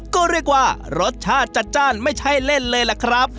ก็เรียกว่ารสชาติจัดจ้านไม่ใช่เล่นเลยล่ะครับ